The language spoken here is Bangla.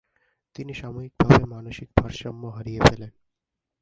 তিনি সাময়িকভাবে মানসিক ভারসাম্য হারিয়ে ফেলেন।